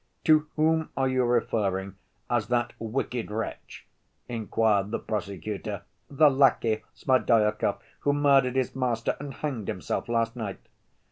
"To whom are you referring as 'that wicked wretch'?" inquired the prosecutor. "The lackey, Smerdyakov, who murdered his master and hanged himself last night."